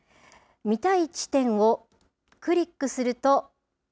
見たい地点をクリックすると。